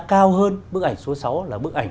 cao hơn bức ảnh số sáu là bức ảnh